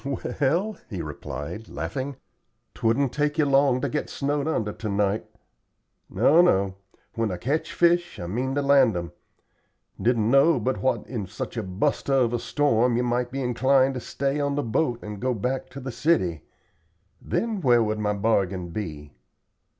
"Well," he replied, laughing, "'twouldn't take you long to get snowed under to night. No, no; when I catch fish I mean to land 'em. Didn't know but what in such a buster of a storm you might be inclined to stay on the boat and go back to the city. Then where would my bargain be?"